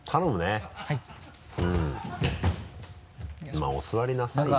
まぁお座りなさいよ。